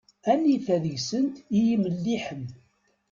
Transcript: Anita deg-sent i imelliḥen?